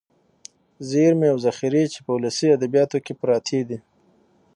ذېرمې او ذخيرې چې په ولسي ادبياتو کې پراتې دي.